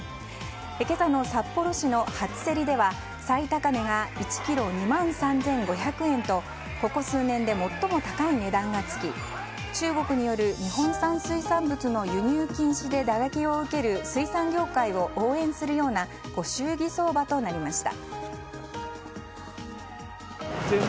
今朝の札幌市の初競りでは最高値が１ｋｇ２万３５００円とここ数年で最も高い値段が付き中国による日本産水産物の輸入禁止で打撃を受ける水産業界を応援するようなご祝儀相場となりました。